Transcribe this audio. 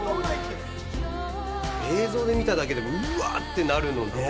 映像で見ただけでもうわーってなるのね。